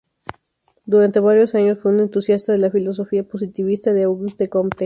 Durante varios años fue un entusiasta de la filosofía positivista de Auguste Comte.